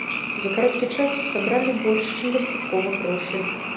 За кароткі час сабралі больш чым дастаткова грошай.